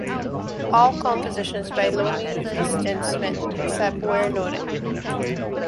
All compositions by Lonnie Liston Smith except where noted